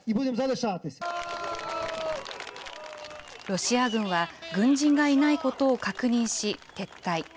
ロシア軍は軍人がいないことを確認し、撤退。